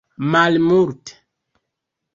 malmulte